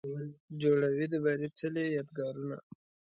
جوړوي د بري څلې، یادګارونه